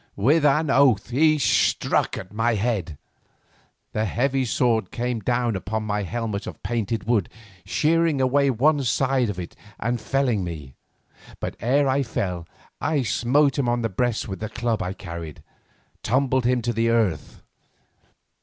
With an oath he struck at my head. The heavy sword came down upon my helmet of painted wood, shearing away one side of it and felling me, but ere I fell I smote him on the breast with the club I carried, tumbling him to the earth.